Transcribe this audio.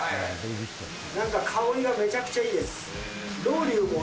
なんか香りがめちゃくちゃいいです。